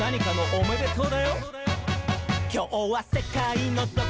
「おめでとう」